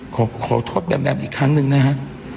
ขอโทษแบมแบมอีกครั้งหนึ่งนะฮะ